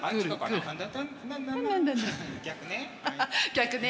逆ね。